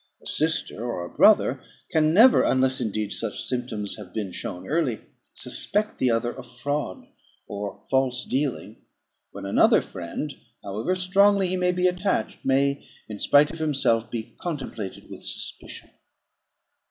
A sister or a brother can never, unless indeed such symptoms have been shown early, suspect the other of fraud or false dealing, when another friend, however strongly he may be attached, may, in spite of himself, be contemplated with suspicion.